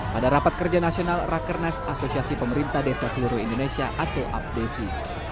pada rapat kerja nasional rakernas asosiasi pemerintah desa seluruh indonesia atau apdesi